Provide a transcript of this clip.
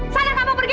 salah kamu pergi